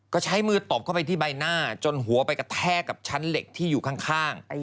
ก็ใช้มือตบเข้าไปที่ใบหน้าจนหัวไปกระแทกกับชั้นเหล็กที่อยู่ข้าง